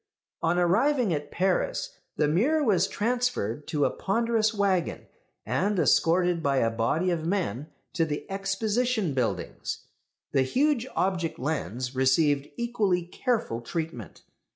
On arriving at Paris, the mirror was transferred to a ponderous waggon, and escorted by a body of men to the Exposition buildings. The huge object lens received equally careful treatment.